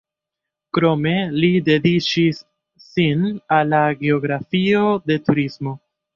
Krome li dediĉis sin al la geografio de turismo.